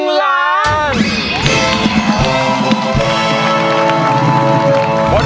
ร้องได้ให้ร้าง